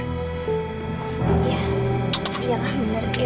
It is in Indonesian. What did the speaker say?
iya iya lah bener